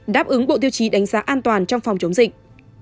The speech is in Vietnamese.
đáp ứng bộ tiêu chí đánh giá an toàn trong phòng chống dịch